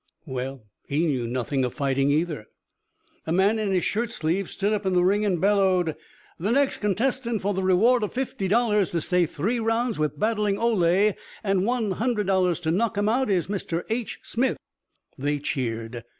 Well, he knew nothing of fighting, either. A man in his shirt sleeves stood up in the ring and bellowed, "The next contestant for the reward of fifty dollars to stay three rounds with battling Ole and one hundred dollars to knock him out is Mr. H. Smith." They cheered.